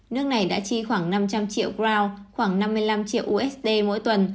nước này đã chi khoảng năm trăm linh triệu group khoảng năm mươi năm triệu usd mỗi tuần